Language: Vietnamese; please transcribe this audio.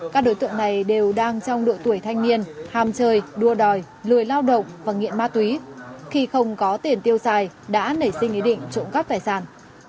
các đối tượng này đều đang trong độ tuổi thanh niên hàm chơi đua đòi lười lao động và nghiện ma túy khi không có tiền tiêu xài đã nảy sinh ý định trộm cắp tài sản